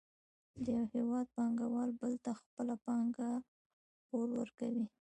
د یو هېواد پانګوال بل ته خپله پانګه پور ورکوي